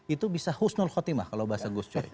itu bisa husnul khotimah kalau bahasa gus coy